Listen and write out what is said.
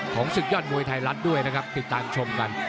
ศึกยอดมวยไทยรัฐด้วยนะครับติดตามชมกัน